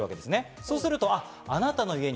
そうすると、あなたの家に